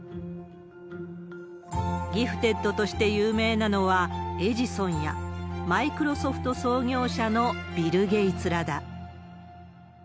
ギフテッドとして有名なのは、エジソンや、マイクロソフト創業者のビル・ゲイツらだ。